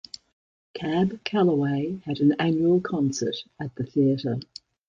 Cab Calloway had an annual concert at the theatre.